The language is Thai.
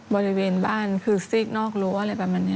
บริเวณบ้านคือสิ้กนอกรั้วอะไรแบบนี้